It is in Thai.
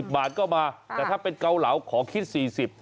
บาทก็มาแต่ถ้าเป็นเกาเหลาขอคิด๔๐บาท